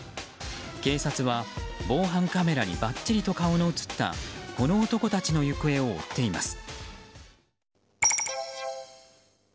警察は、防犯カメラにばっちりと顔の映ったこの男たちの行方を追っています。